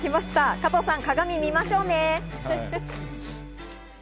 加藤さん、鏡見ましょうね。